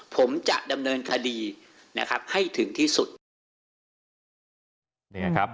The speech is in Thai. ผมจะดำเนินคดีนะครับให้ถึงที่สุดนะครับ